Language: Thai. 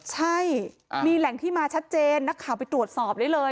ใช่มีแหล่งที่มาชัดเจนนักข่าวไปตรวจสอบได้เลย